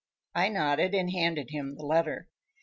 I nodded and handed him the letter.